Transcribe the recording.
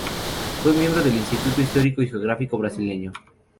Fue miembro del Instituto Histórico y Geográfico Brasileño.